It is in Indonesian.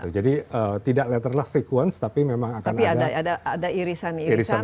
jadi tidak letterless sequence tapi memang akan ada irisan irisan